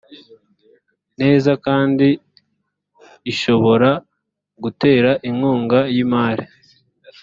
neza kandi ishobora gutera inkunga y imari